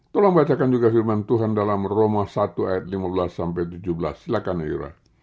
tolong bacakan juga firman tuhan dalam roma satu ayat lima belas tujuh belas silahkan ayura